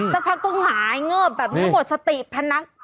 สักพักก็หงายเงิบแบบนี้หมดสติพนัก